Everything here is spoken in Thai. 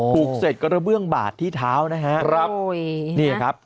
ถูกเสร็จกระเบื้องบาดที่เท้านะฮะครับโอ้ยเนี่ยครับ